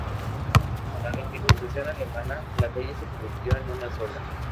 Con la reunificación alemana, la calle se convirtió en una sola.